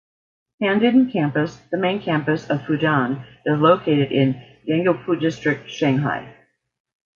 Handan campus, the main campus of Fudan, is located in Yangpu District, Shanghai.